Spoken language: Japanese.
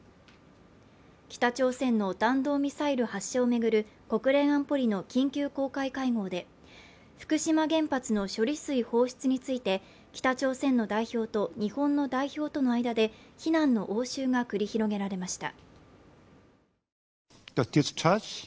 北朝鮮の弾道ミサイル発射をめぐる国連安保理の緊急公開会合で福島原発の処理水放出について北朝鮮の代表と日本の代表との間で非難の応酬が繰り広げられました